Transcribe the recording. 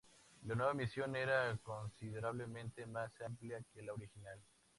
La nueva misión era considerablemente más amplia que la original.